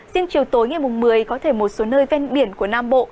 riêng chiều tối ngày một mươi có thể một số nơi ven biển của nam bộ